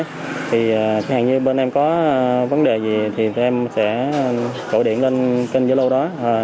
thì hẳn như bên em có vấn đề gì thì em sẽ cổ điện lên kênh dơ lô đó